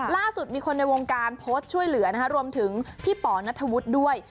ล่าสุดมีคนในวงการโพสต์ช่วยเหลือนะคะรวมถึงพี่ป๋อนัทธวุฒิด้วย